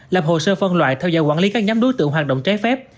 lập hồ sơ phân loại theo dõi quản lý các nhóm đối tượng hoạt động trái phép